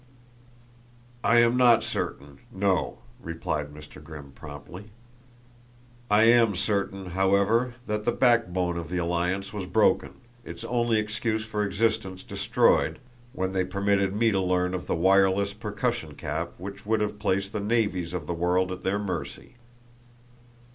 "I am not certain no," replied Mr. Grimm promptly. "I am certain, however, that the backbone of the alliance was broken its only excuse for existence destroyed when they permitted me to learn of the wireless percussion cap which would have placed the navies of the world at their mercy.